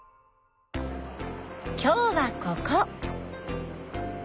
今日はここ。